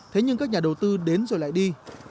thế nhưng các nhà đầu tư đến rồi lại đi